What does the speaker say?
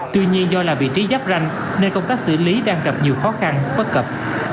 tuy nhiên do là vị trí giáp ranh nên công tác xử lý đang gặp nhiều khó khăn bất cập